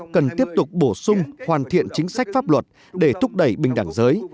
cần tiếp tục bổ sung hoàn thiện chính sách pháp luật để thúc đẩy bình đẳng giới